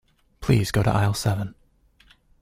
Please go to aisle seven.